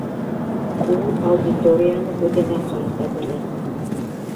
Ул аудиторияны үҙенә ҡарата белә